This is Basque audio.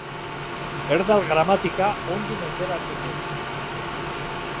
Erdal gramatika ongi menderatzen du.